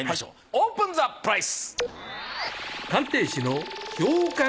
オープンザプライス！